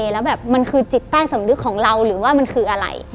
แล้วแบบมันคือจิตใต้สำนึกของเราหรือว่ามันคืออะไร